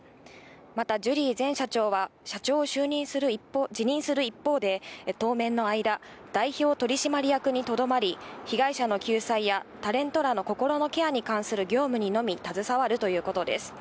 また、ジュリー前社長は社長を辞任する一方で、当面の間、代表取締役にとどまり、被害者の救済や、タレントらの心のケアに関する業務にのみ携わるということです。